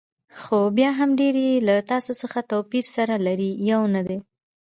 خو بیا هم ډېری یې له تاسو څخه توپیر سره لري، یو نه دي.